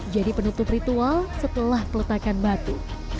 jadi penutup ritual setelah keletakan batu